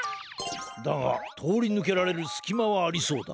だがとおりぬけられるすきまはありそうだ。